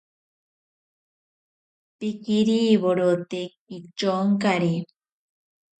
Pikiriwirote kityonkari.